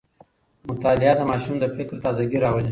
مطالعه د ماشوم د فکر تازه ګي راولي.